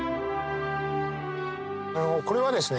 これはですね